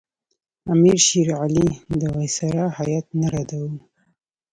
امیر شېر علي د وایسرا هیات نه رداوه.